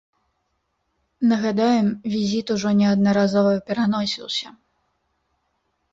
Нагадаем, візіт ужо неаднаразова пераносіўся.